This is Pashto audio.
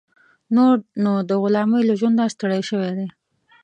نور نو د غلامۍ له ژونده ستړی شوی دی.